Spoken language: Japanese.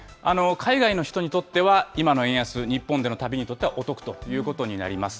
海外の人にとっては、今の円安、日本での旅にとってはお得ということになります。